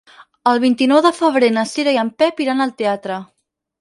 El vint-i-nou de febrer na Cira i en Pep iran al teatre.